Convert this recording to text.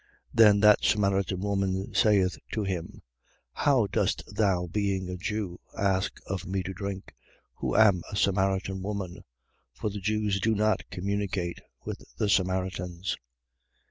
4:9. Then that Samaritan woman saith to him: How dost thou, being a Jew; ask of me to drink, who am a Samaritan woman? For the Jews do not communicate with the Samaritans.